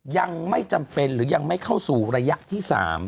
ยังไม่จำเป็นหรือยังไม่เข้าสู่ระยะที่๓